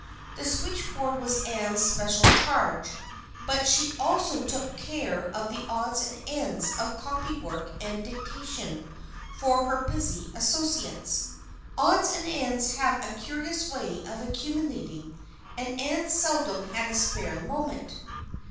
The switchboard was Ann's special charge, but she also took care of the odds and ends of copy work and dictation for her busy associates. Odds and ends have a curious way of accumulating and Ann seldom had a spare moment.